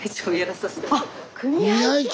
あっ組合長！